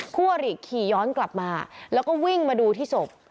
คู่อริขี่ย้อนกลับมาแล้วก็วิ่งมาดูที่ศพ